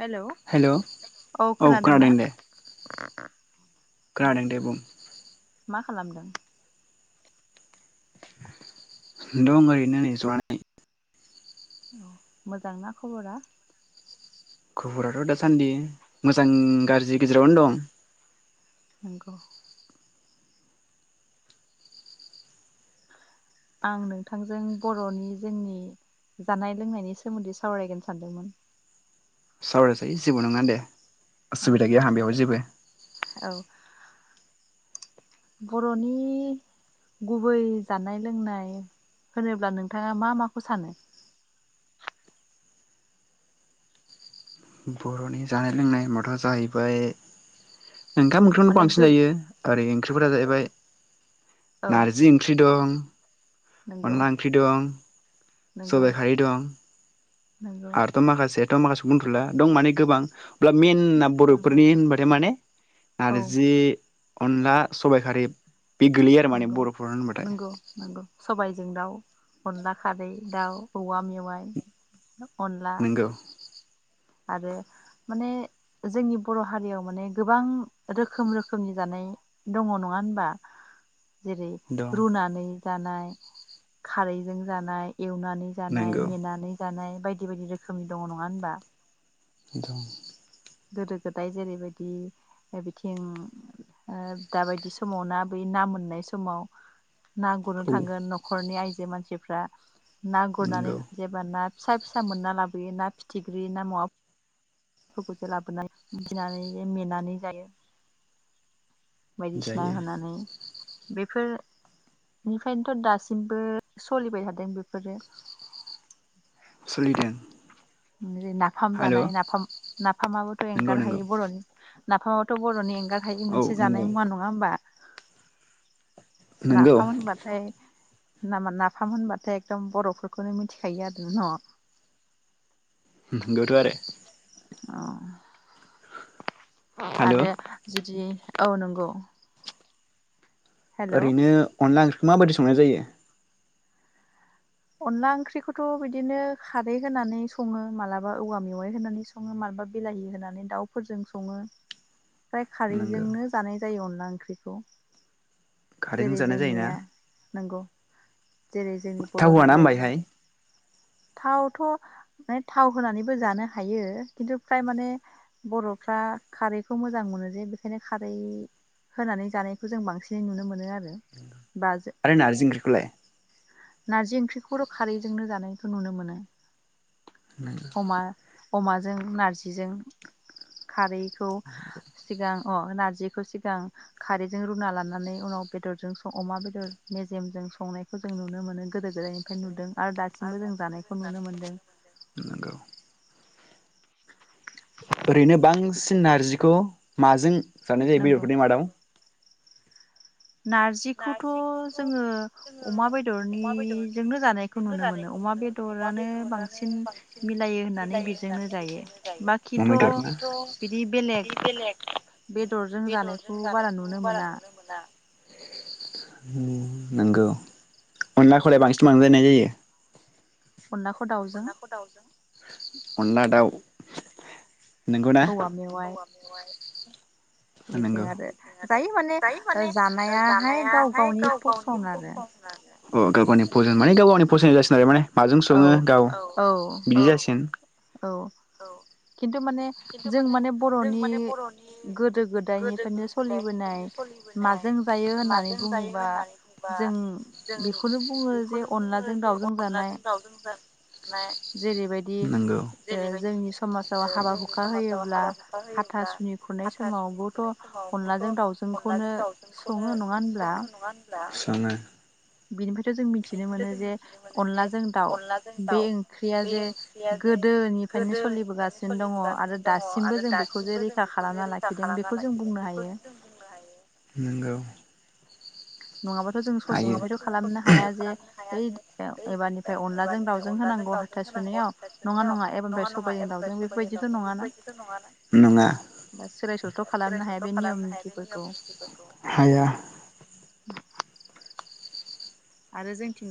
Hello! औ खोनादों ना? खोनादों दे बुं। मा खालामदों? दं ओरैनो नै जनानै। औ मोजांना खबरा? खबराथ' दासान्दि मोजां गाज्रि गेजेरावनो दं। नंगौ। आं नोंथांजों बर'नि जोंनि जानाय लोंनायनि सोमोन्दै सावरायगोन सानदोंमोन। सावरायजायो जेबो नङा दे। उसुबिदा गैया आंंहा बेयाव जेबो बर'नि गुबै जानाय लोंनाय होनोब्ला नोंथाङा मा माखौ सानो? बर'नि जानाय लोंनाय होनबाथ' जाहैबाय ओंखाम ओंख्रिखौनो बांसिन जायो ओरै ओंख्रिफोरा जाहैबाय नारजि ओंख्रि दं। अनला ओंख्रि दं सबाइ खारै दं। आरथ' माखासे दा माखासेखौ बुंथ'ला दं माने गोबां ब्लाम मेइन बर'फोरनि होनबाथाय माने नारजि अनला सबाइखारिब नंगौ नंगौ नंगौ सबाइजों दाउ अनला खारै दाउ औवा मेव [unintelligible] अनला आरो माने जोंनि बर' हारियाव माने गोबां रोखोम रोखोमनि जानाय दङ नङा होनबा? जेरै रुनानै जानाय खारैजों जानाय एवनानै जानाय मेनानै जानाय। बायदि बायदि रोखोमनि दङ नङा होनबा? दं। गोदो गोदाय जेरैबायदि बिथिं आ दाबायदि समाव ना बै ना मोननाय समाव ना गुरनो थांगोन न'खरनि आइ जे मानसिफ्रा ना गुरनानै जेबा ना फिसा फिसा मोनना लाबोयो ना फिथिग्रि ना मवाब फोरखौसो लाबोनानै गिनानै मेनानै जायो बायदिसिना होनानै बेफोरनिफ्रायनोथ दासिमबो सलिबाय थादों बेफोरो सोलिदों नाफाम जानाय नाफाम-नाफामाबोथ एंगारहायि बर'नि नाफामा थ बर'नि ओं गाहायनि मोनसे जानाय मुवा नङा होमबा नाफाम होनबाथाय नामा नाफाम होनबाथाय एखदम बरफोरखौनो मिथिखायो आरो न नंगौथ आरो अ आरो जुदि औ नंगौ ओरैनो अनला ओंख्रि माबायदि सं संनाय जायो अनला ओंख्रिखौथ बिदिनो खारै होनानै सङो मालाबा औवा मेवाइ होनानै सङो माबलाबा बिलाहि होनानै दाउफोरजों सङो फ्राय खारैजोंनो जानाय जायो अनला ओंख्रिखौ जेरै जोंनिया नंगौ जेरै जोंनि बर'हारियावहाय थावथ' ओम थाव होनानैबो जानो हायो खिन्थु फ्राय माने बर'फ्रा खारैखौ मोजां मोनो जे बेखायनो खारै होनानै जानायखौ जों बांसिनै नुनो मोनो आरो आरो नारजि ओंख्रिखौलाय? नार्जि ओंख्रि [unintelligible] खारैजोंनो जानायखौ नुनो मोनो। [unintelligible] अमाजों नारजिजों खारै [unintelligible] सिगां अ नारजिखौ सिगां खारैजों रुना लानानै उनाव बेदरजों अमा बेदर मेजेमजों संनायखौ जों [unintelligible] नुनो मोनो गोदो- गोदायनिफ्राय नुदों। आरो दासिमबो जों जानायखौ नुनो मोनदों। ओरैनो बांसिन नारजिखौ माजों जानाय जायो बेफोरनि मादाव? नारजिखौथ' जोङो अमा बेदरनिजोंनो जानायखौ नुनो मोनो। अमा बेदरानो बांसिन मिलायो होननानै बेजोंनो जायो बाखिथ' बिदि बेलेग बेदरजों जानायखौ बारा नुनो मोना। उम नंगौ अनलाखौलाय बांसिन माजों रायनाय जायो? अनलाखौ अनलाखौ दाउजों। अनला दाव औवा मेवाइ [unintelligible] [unintelligible] आरो जायो माने जानायाहाय गाव -गावनि फसन्द आरो। अ गावबानि फसयनाय गाव गावनि फसायनाय जासिगोन आरो माने। माजों संङो गाव बिदि जासिगोन? औ खिन्थु खिन्थु माने जों माने बर'नि गोदो -गोदायनिफोरनो सलिबोनाय माजों जायो होननानै बुंबा जों बेखौनो बुंङो जे अनलाजों दाउजों जा जेरैबायदि ओ जोंनि समाजाव हाबा -हुखा समाजाव हाबा हुखा होयोब्ला हाथा सुनि खुरनाय समावबोथ' अनलाजों दावजोंखौनो संङो नङा होनब्ला? [unintelligible] बिनिफ्रायथ' जों मिथिनो मोनो जे अनलाजों दाउ बे ओंख्रिया जे गोदोनिफ्रायनो सलिबोगासिनो दंङ आरो दङ आरो दासिमबो जों बेखौ जे रैखा खालामना लाखिदों बेखौ जों बुंनो हायो। [unintelligible] हायो नंङाबाथ' जों ससेनिफ्रायथ' खालामनो हाया जे ओइथ ए- एबारनिफ्राय अनलाजों दावजों होनांगौ हाथा सुनायाव नंङा नंङा एबारनिफ्राय सबायजों दावजों बेफोरबायदिथ' नङाना नङा सोलाय सोल'थ' खालामनो हाया बे नियम नितिफोरखौ हाया।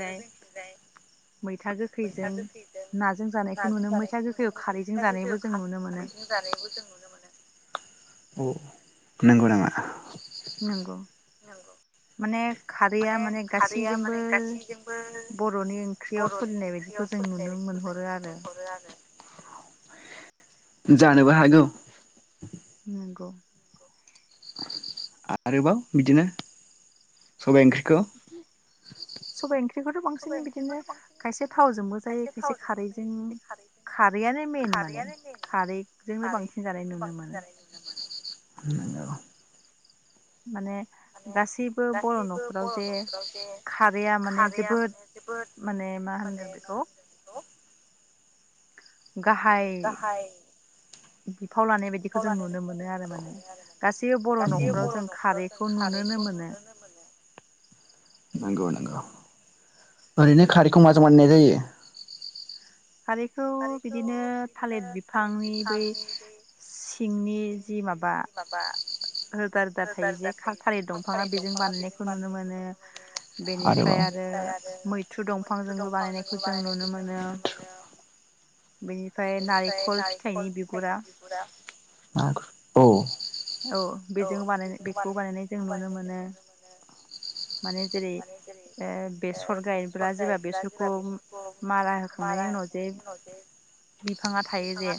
आरो जोंथिजाय मैथा गोखैजों नाजों जानायखौ नु मैथा थागोखैयाव खारैजों जानायबो जों नुनो मोनो। औ नोंगौ नामा? नोंगौ अनेक माने खारैया माने गासैजोंबो बर'नि ओंख्रियाव सलिनायबादिखौ जों नुनो मोनहरो आरो जानोबो हागौ नोंगौ आरोबाव बिदिनो सबाइ ओंख्रिखौ ख्रिखौथ' बांसिन बिदिनो खायसे थावजोंबो जायो खायसे खारैजों खारैआनो मेन माने खारैजोंनो बांसिन जानाय नुनो मोनो। नोंगौ माने गासैबो बर' न'खराव जे खारैया माने जोबोद माने मा होनगोन बेखौ गाहाय बिफाव लानाय बायदि बेखौ जों नुनो मोनो आरो माने गासैबो बर' न'खराव जों खारैखौ नुुनोनो मोनो। नोंगौ नोंगौ ओरैनो खारैखौ माजों बानायनाय जायो? खारैखौ बिदिनो थालिर बिफांनि बै सि सिंनि जि माबा रोदा रोदा थायो जे खार थालिर दंफांङा बेजों बानायनायखौ नुनो मोनो बेनिफ्राय आरो मैथ्रु दंफांजोंबो बानायनायखौ जों नुनो मोनो बेनिफ्राय नारेंखल फिथाइनि बिगुरा औ औ बेजों बानाय बेखौ बानायनाय जों नुनो मोनो माने जेरै ओ बेसर गायब्ला जेब्ला बेसरखौ मारा होखांनायनि उनाव जे बिफांङा थायो जे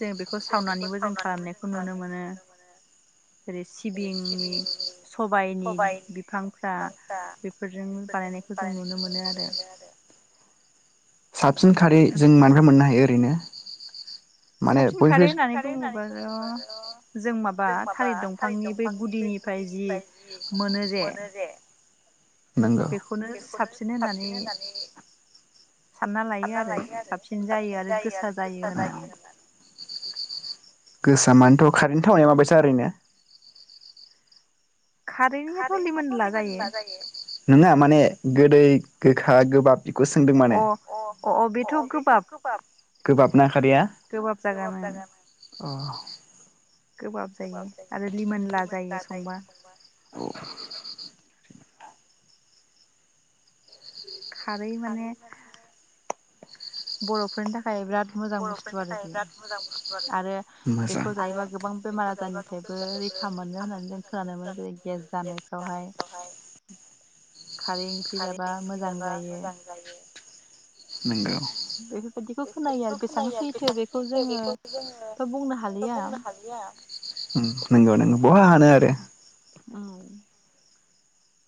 जों बेखौ सावनानैबो जों खालामनायखौ नुनो मोनो जेरै सिबिंनि सबाइनि बिफांफ्रा बेफोरजों बानायनायखौ जों नुनो मोनो आरो सिन खारै जों मानिफ्राय मोननो हायो बेनो साबसिन खारै होननानै बुंङोबाथ' जों माबा थालिर दंफांनि बे गुदिनिफ्राय जि मोनो जे बेखौनो साबसिन होननानै सानना लायो आरो साबसिन जायो आरो गोसा जायो होननानै गोसा मानिथ' खारैनि थावनाया माबायसा ओरैनो खारैखौथ' लिमोनला जायो नोंङा माने गोदै गोखा गोबाब बेखौ सोंदों माने अ अ अ बेथ' गोबाब गोबाब ना खारैया? गोबाब जागोन औ गोबाब जायो आरो लिमोनला जायो संबा खारै माने बर'फोरनि थाखाय बिराद मोजां बुस्थु आरो बेयो आरो बेखौ जायोबा गोबां बेमार आजारनिफ्रायबो रैखा मोनो होननानै जों खोनानो मोनो जेरै गेस जानायफ्रावहाय खारै ओंख्रि जाबा मोजां जायो नोंगौ बेफोर बादिबो खोनायो बेखौ खोनो आरो बेसेबां सैथो बेखौ जोङो' बुंनो हालिया नोंगौ नोंगौ बहा हानो आरो औ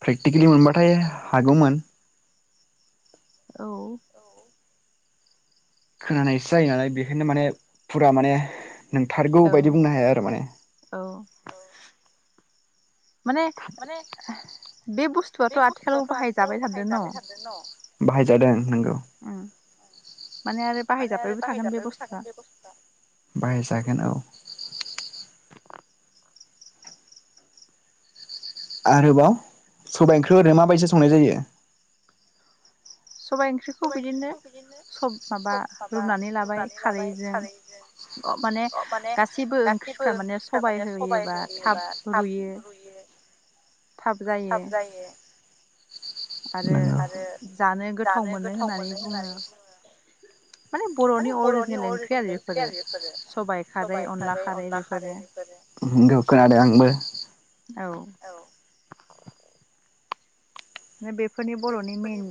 प्रेक्टिकेलि मोनबाथाय हागौमोन औ खोनानायसो जायो नालाय बेखायनो माने फुरा माने नोंथारगौ बायदि बुंनो हाया आरो माने औ माने बे बुस्थुवाथ' आथिखालाव बाहायजाबाय थादों न बाहायादों नंगौ माने आरो बाहायजाबायबो थागोन बे बुस्थुया बाहाय जागोन औ आरोबाव सबाइ ओंख्रि ओरैनो माबायसा संनाय जायो सबाय ओंख्रिखौ बिदिनो सब माबा रुनानै लाबाय खारैजों माने गासैबो ओंख्रिफ्रा माने सबाय होयोबा थाब रुयो थाब जायो आरो जानो गोथाव मोनो होननानै जोङो माने बर'नि अरिजिनेल ओंख्रि आरो बेफोरो सबाइ खारै अनला खारै बेफोरो आरो आंबो बेफोरनि बर'नि मेन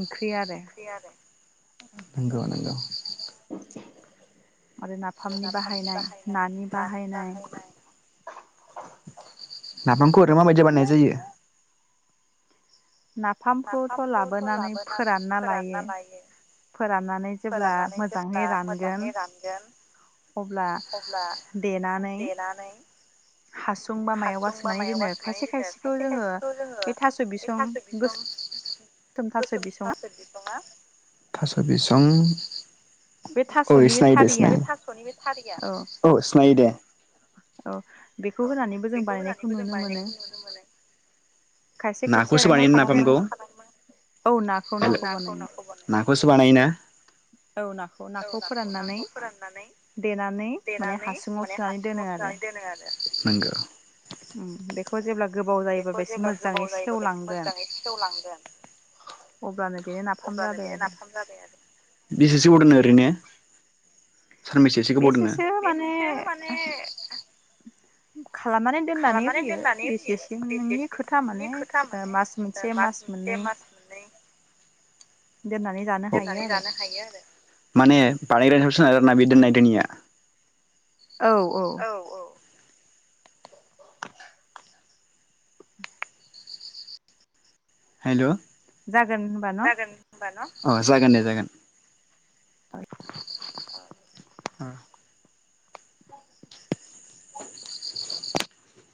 ओंख्रि आरो नोंगौ नोंगौ आरो नाफामनि बाहायनाय नानि बाहायनाय नाफामखौ आरो माबायदि बानायनाय जायो नाफामखौथ' लाबोनानै फोरानना लायो फोराननानै जेब्ला मोजाङै रानगोन अब्ला देनानै हासुं बा मायावबा सोनानै दोनो खायसे खायसेखौ जोङो बे थास' बिसं गोसो गोसोम थास' बिसंआ थास' बिसं उम औ सिनायदो सिनाय औ सिनायो दे औ। बेखौ होनानैबो जों बानायनायखौ नुनो मोनो खायसे खायसे आरो मा खालामो औ नाखौ नाखौ बानायो। बेखौसो बानायोना औ नाखौ नाखौ फोराननानै देनानै माने हासुङाव सोनानै दोनो आरो। नंगौ। बेखौ जेब्ला गोबाव जायोबा बेखौ मोजाङै सेवलांगोन अब्लानो बेनो नाफाम जाबाय आरो बेसेसो गोबाव दोनो ओरैनो। सारनैसोसो गोबाव दोनो बेसेसो माने। खालामनानै दोननानै होयो बेसे सिं नोंनि खोथा माने मास मोनसे मास मोननै दोननानै जानो हायो आरो। माने बानायग्रानि सायावसोनारो माबे दोननाय दोनिया। औ औ। हेल'। जागोन होनबा न। अ जागोन दे जागोन। [unintelligible] अ। [unintelligible] [unintelligible]